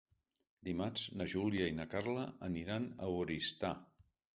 Dimarts na Júlia i na Carla aniran a Oristà.